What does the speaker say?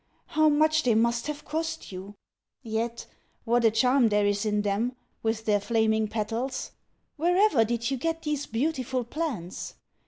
How much they must have cost you! Yet what a charm there is in them, with their flaming petals! Wherever did you get these beautiful plants?